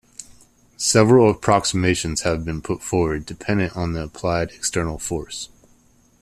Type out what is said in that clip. Several approximations have been put forward, dependent on the applied external force.